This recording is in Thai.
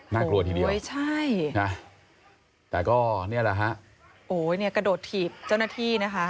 น่ากลัวทีเดียวนะครับแต่ก็นี่แหละครับโอ้โฮเนี่ยกระโดดถีบเจ้าหน้าที่นะคะ